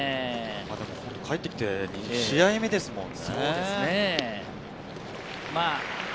帰ってきて２試合目ですもんね。